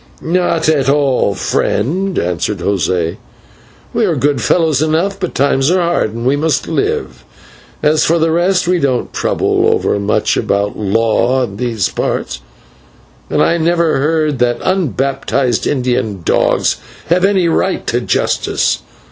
"Not at all, friend," answered José, "we are good fellows enough, but times are hard and we must live. As for the rest, we don't trouble over much about law in these parts, and I never heard that unbaptised Indian dogs have any right to justice.